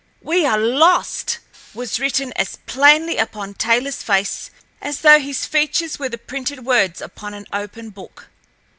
"We are lost!" was written as plainly upon Taylorl's face as though his features were the printed words upon an open book.